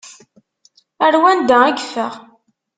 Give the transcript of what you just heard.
Ar wanda i yeffeɣ?